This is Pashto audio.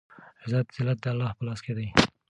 عزت ذلت دالله په لاس کې دی